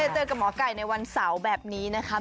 เจอกับหมอไก่ในวันเสาร์แบบนี้นะคะ